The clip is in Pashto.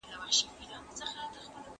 سياسي مشران بايد خپلو تېروتنو ته متوجه سي.